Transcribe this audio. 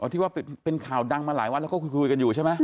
ที่ว่าเป็นข่าวดังมาหลายวันแล้วก็คุยกันอยู่ใช่ไหม